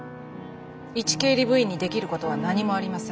一経理部員にできることは何もありません。